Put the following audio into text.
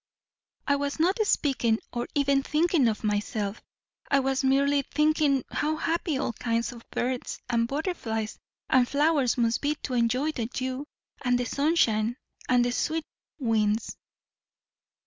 "I was not speaking or even thinking of myself; I was merely thinking how happy all kinds of birds, and butterflies, and flowers must be to enjoy the dew, and the sunshine, and the sweet winds."